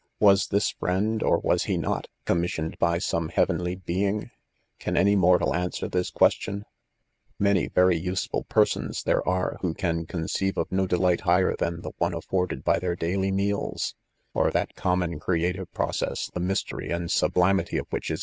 Was. this friend, or was he not, commissioned by some hea venly being ? Can any mortal answer this question '? Many vciy useful persons there are, vfho can conceive of no delight higher than the one afforded by their daily meals 5 or that common creative process, the mystery and sublimity of which is.